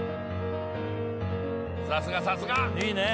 さすがさすがいいねえ